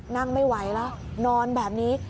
นั่งไม่ไหวแล้วนอนแบบนี้